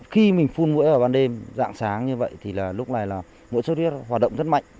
khi mình phun mũi ở ban đêm dạng sáng như vậy thì lúc này là mũi suất huyết hoạt động rất mạnh